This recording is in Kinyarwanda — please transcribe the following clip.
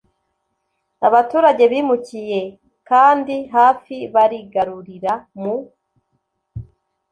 abaturage bimukiye kandi hafi barigarurira. mu